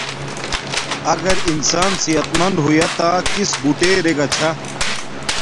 اگر انسان صحت مند ہویا تا کس بوٹے ارا گا چھا